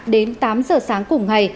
đến tám giờ sáng cùng ngày